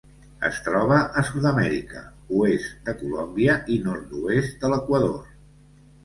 Es troba a Sud-amèrica: oest de Colòmbia i nord-oest de l'Equador.